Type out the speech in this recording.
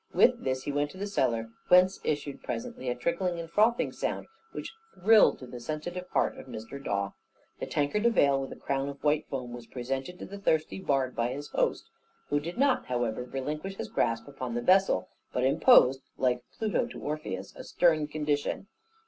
With this he went to the cellar, whence issued presently a trickling and frothing sound, which thrilled to the sensitive heart of Mr. Dawe. The tankard of ale, with a crown of white foam, was presented to the thirsty bard by his host, who did not, however, relinquish his grasp upon the vessel; but imposed (like Pluto to Orpheus) a stern condition.